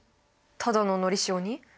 ただののり塩に？